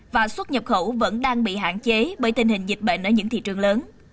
và xuất nhập khẩu vẫn đang bị hạn chế bởi tình hình dịch bệnh ở những thị trường lớn